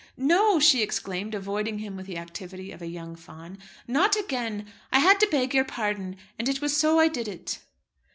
"No!" she exclaimed, avoiding him with the activity of a young fawn; "not again. I had to beg your pardon, and it was so I did it."